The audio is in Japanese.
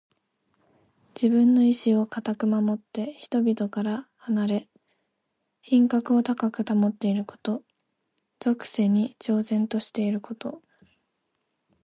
自分の意志をかたく守って、人々から離れ品格を高く保っていること。俗世に超然としていること。